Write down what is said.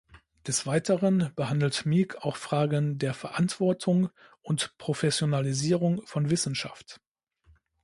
Des Weiteren behandelt Mieg auch Fragen der Verantwortung und Professionalisierung von Wissenschaft.